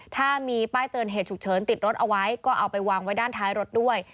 ถ้ามีป้ายเตือนเหตุฉุกเฉินติดรถเอาไว้ก็เอาไปวางไว้ด้านท้ายรถด้วย